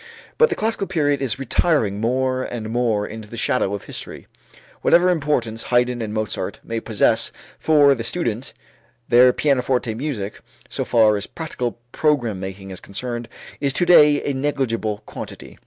But the classical period is retiring more and more into the shadow of history. Whatever importance Haydn and Mozart may possess for the student, their pianoforte music, so far as practical program making is concerned, is to day a negligible quantity.